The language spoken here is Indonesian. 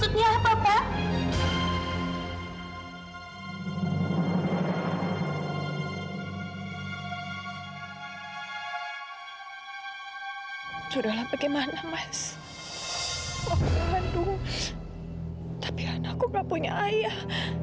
aku berandung tapi anakku gak punya ayah